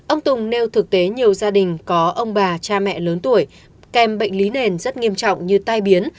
ông tùng nêu thực tế nhiều gia đình có ông bà cha mẹ lớn tuổi kèm bệnh lý nền rất nghiêm trọng như tai biến